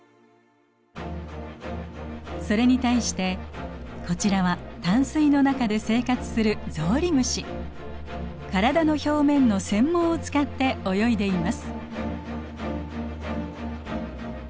それに対してこちらは淡水の中で生活する体の表面の繊毛を使って泳いでいます。